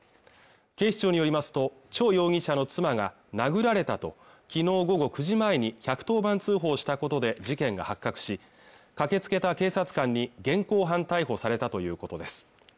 警視庁によりますとチョウ容疑者の妻が殴られたと昨日午後９時前に１１０番通報したことで事件が発覚し駆けつけた警察官に現行犯逮捕されたということです